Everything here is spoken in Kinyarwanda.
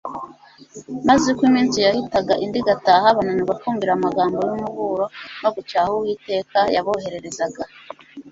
maze uko iminsi yahitaga indi igataha bananirwa kumvira amagambo yumuburo no gucyaha Uwiteka yabohererezaga